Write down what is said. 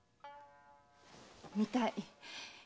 見たい。